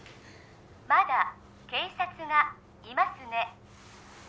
まだ警察がいますね？